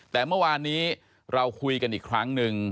แต่เมื่อวานนี้เราคุยกันอีกครั้งหนึ่ง